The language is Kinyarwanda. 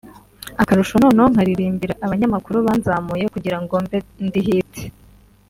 Akarusho noneho nkaririmbira abanyamakuru banzamuye kugira ngo mbe ndi Hit